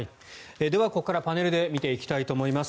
では、ここからパネルで見ていきたいと思います。